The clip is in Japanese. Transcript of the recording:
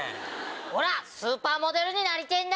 おらスーパーモデルになりてぇんだ！